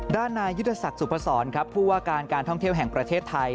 นายุทธศักดิ์สุพศรครับผู้ว่าการการท่องเที่ยวแห่งประเทศไทย